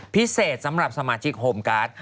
พิเศษสำหรับสมาชิกโฮมการ์ด